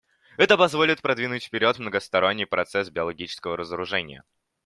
Это позволит продвинуть вперед многосторонний процесс биологического разоружения.